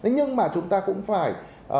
nhưng mà chúng ta cũng phải